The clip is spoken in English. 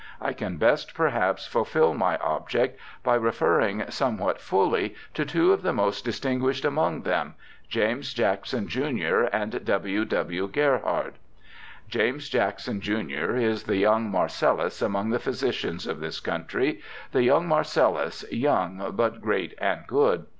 I can best, perhaps, fulfil my object by refer ring somewhat fully to two of the most distinguished among them, James Jackson, jun., and W. W. Gerhard. James Jackson, jun., is the young Marcellus among the phj^sicians of this country, 'the young Marcellus, young, but great and good.'